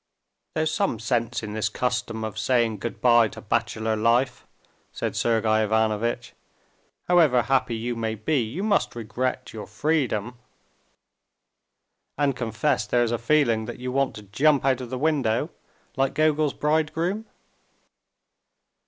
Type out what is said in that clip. "There's some sense in this custom of saying good bye to bachelor life," said Sergey Ivanovitch. "However happy you may be, you must regret your freedom." "And confess there is a feeling that you want to jump out of the window, like Gogol's bridegroom?"